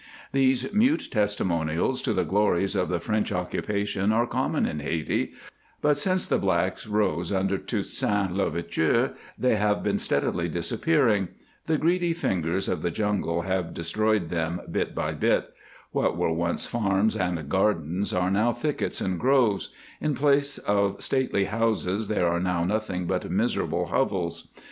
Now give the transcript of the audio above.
These mute testimonials to the glories of the French occupation are common in Hayti, but since the blacks rose under Toussaint l'Ouverture they have been steadily disappearing; the greedy fingers of the jungle have destroyed them bit by bit; what were once farms and gardens are now thickets and groves; in place of stately houses there are now nothing but miserable hovels.